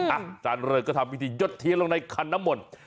อาจารย์เริงก็ทำวิธียดเทียนลงในคันน้ำมนต์